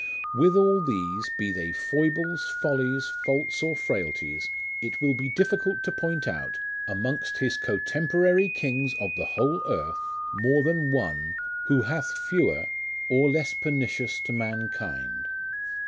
With all these, Be they foibles, follies, faults, or frailties, It will be difficult to point out, Amongst his cotemporary Kings of the whole earth, More than ONE Who hath fewer, or less pernicious to mankind.